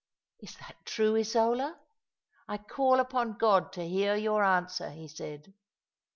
*Is that true, Isola? I call upon God to hear your answer,' ho said.